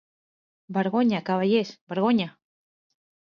Vergonya, cavallers, vergonya!